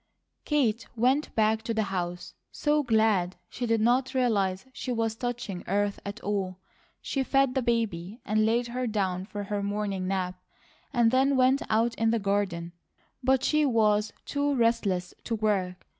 Kate went back to the house so glad she did not realize she was touching earth at all. She fed the baby and laid her down for her morning nap, and then went out in the garden; but she was too restless to work.